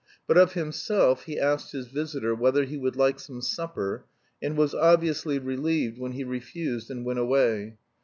But of himself he asked his visitor whether he would like some supper, and was obviously relieved when he refused and went away.